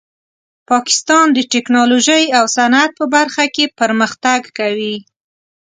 پاکستان د ټیکنالوژۍ او صنعت په برخه کې پرمختګ کوي.